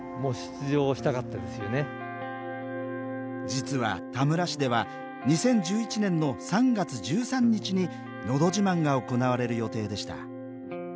実は田村市では２０１１年の３月１３日に「のど自慢」が行われる予定でした。